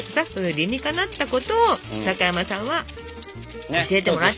理にかなったことを高山さんは教えてもらってたわけ。